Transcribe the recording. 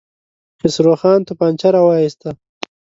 خسرو خان توپانچه را وايسته.